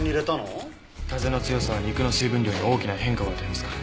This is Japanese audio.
風の強さは肉の水分量に大きな変化を与えますから。